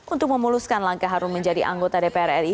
untuk memuluskan langkah harum menjadi anggota dpr ri